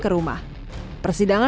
ke rumah persidangan